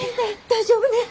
大丈夫ね？